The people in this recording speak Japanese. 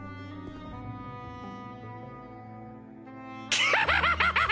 クハハハハ！